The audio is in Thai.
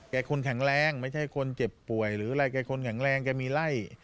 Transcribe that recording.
คนแข็งแรงไม่ใช่คนเจ็บป่วยหรืออะไรแกคนแข็งแรงแกมีไล่